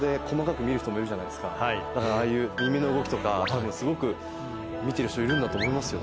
だからああいう耳の動きとかたぶんすごく見てる人いるんだと思いますよ